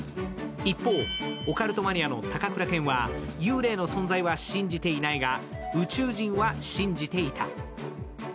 一方、オカルトマニアの高倉健は幽霊の存在は信じていないが宇宙人は信じていた。